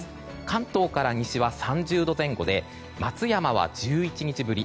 関東から西は３０度前後で松山は１１日ぶり